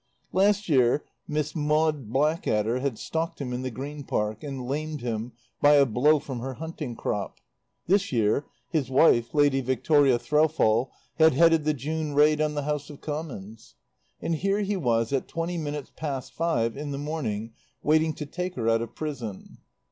Last year Miss Maud Blackadder had stalked him in the Green Park and lamed him by a blow from her hunting crop. This year his wife, Lady Victoria Threlfall, had headed the June raid on the House of Commons. And here he was at twenty minutes past five in the morning waiting to take her out of prison.